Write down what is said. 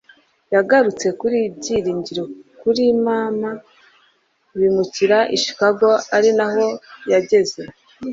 yagarutse kuri byiringiro kuri mama bimukira i chicago, ari naho yageze